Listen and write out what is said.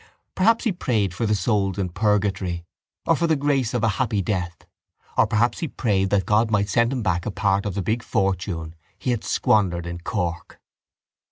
Perhaps he prayed for the souls in purgatory or for the grace of a happy death or perhaps he prayed that God might send him back a part of the big fortune he had squandered in Cork.